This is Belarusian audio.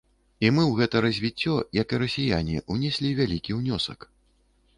І мы ў гэта развіццё, як і расіяне, унеслі вялікі ўнёсак.